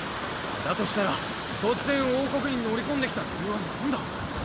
だとしたら突然王国に乗り込んできた理由はなんだ？